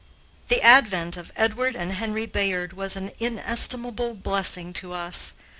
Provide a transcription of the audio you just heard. The advent of Edward and Henry Bayard was an inestimable blessing to us.